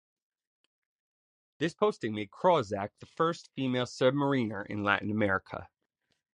This posting made Krawczyk the first female submariner in Latin America.